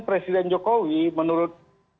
presiden jokowi menurut